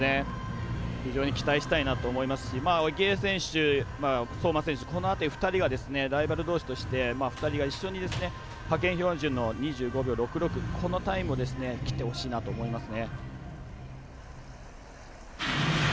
非常に期待したいと思いますし池江選手、相馬選手、この２人はライバルとして２人が一緒に派遣標準の２５秒６６のこのタイムを切ってほしいなと思います。